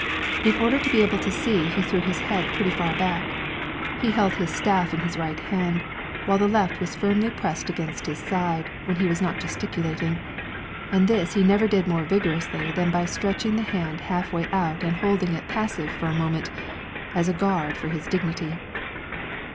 In order to be able to see he threw his head pretty far back; he held his staff in his right hand, while the left was firmly pressed against his side when he was not gesticulating; and this he never did more vigorously than by stretching the hand half way out and holding it passive a moment, as a guard for his dignity.